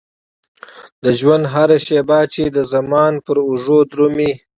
د ژوندون هره شيبه چې د زمان پر اوږو درومي.